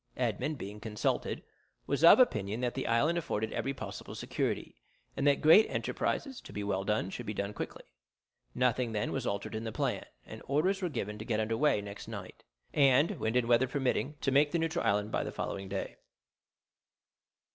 Edmond, being consulted, was of opinion that the island afforded every possible security, and that great enterprises to be well done should be done quickly. Nothing then was altered in the plan, and orders were given to get under weigh next night, and, wind and weather permitting, to make the neutral island by the following day.